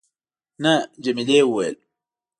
نه. جميلې وويل:.